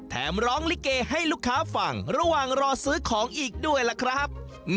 ร้องลิเกให้ลูกค้าฟังระหว่างรอซื้อของอีกด้วยล่ะครับ